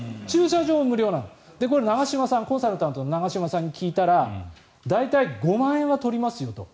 これ、コンサルタントの長嶋さんに聞いたら大体５万円は取りますよと。